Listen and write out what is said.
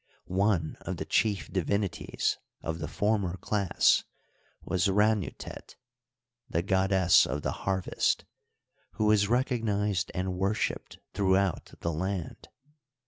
One of the chief divinities of the former class was Ranutet, the goddess of the harvest, who was recognized and worshiped throughout the land.